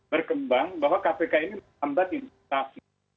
berkembang bahwa kpk ini menghambat investasi